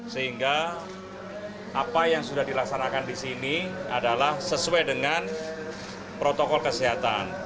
sehingga apa yang sudah dilaksanakan di sini adalah sesuai dengan protokol kesehatan